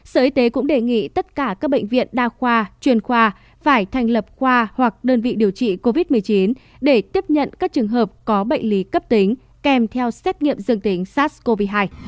sở y tế cũng đề nghị tất cả các bệnh viện đa khoa truyền khoa phải thành lập khoa hoặc đơn vị điều trị covid một mươi chín để tiếp nhận các trường hợp có bệnh lý cấp tính kèm theo xét nghiệm dương tính sars cov hai